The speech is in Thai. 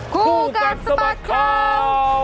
คู่กันสมัครเขา